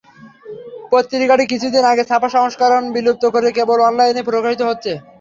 পত্রিকাটি কিছুদিন আগে ছাপা সংস্করণ বিলুপ্ত করে কেবল অনলাইনেই প্রকাশিত হচ্ছে।